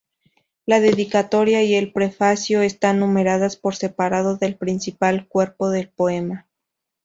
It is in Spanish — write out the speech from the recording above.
La dedicatoria y el prefacio están numeradas por separado del principal cuerpo del poema.